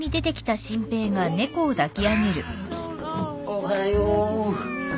おはよう。